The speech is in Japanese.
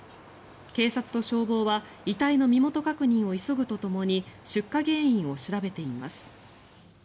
警察と消防は遺体の身元確認を急ぐとともに出火原因を調べています。